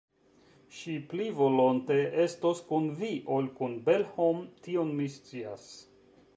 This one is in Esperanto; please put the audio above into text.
Ŝi pli volonte estos kun Vi ol kun Belhom, tion mi scias.